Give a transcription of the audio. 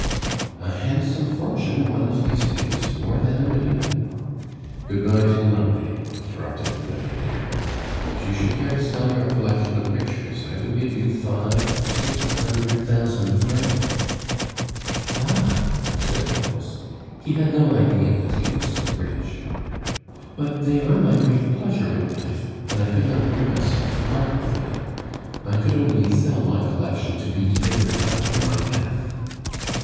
"A handsome fortune one of these days.... More than a million " "Good bye till Monday!" interrupted the millionaire. "If you should care to sell your collection of pictures, I would give you five or six hundred thousand francs " "Ah!" said Pons; he had no idea that he was so rich. "But they are my great pleasure in life, and I could not bring myself to part with them. I could only sell my collection to be delivered after my death."